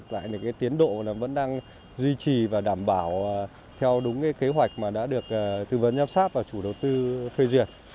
tại cái tiến độ vẫn đang duy trì và đảm bảo theo đúng cái kế hoạch mà đã được tư vấn giám sát và chủ đầu tư phê duyệt